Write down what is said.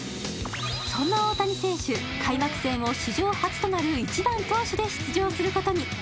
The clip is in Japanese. そんな大谷選手、開幕戦を史上初となる１番・投手で出場することに。